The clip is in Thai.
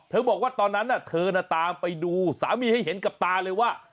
บอกว่าตอนนั้นเธอน่ะตามไปดูสามีให้เห็นกับตาเลยว่า